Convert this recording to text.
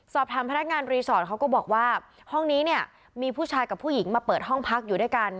พนักงานรีสอร์ทเขาก็บอกว่าห้องนี้เนี่ยมีผู้ชายกับผู้หญิงมาเปิดห้องพักอยู่ด้วยกัน